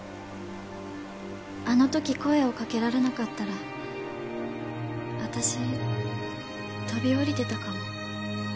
あの時声をかけられなかったら私飛び降りてたかも。